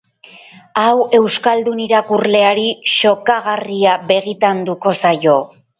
Hau euskaldun irakurleari xokagarria begitanduko zaio.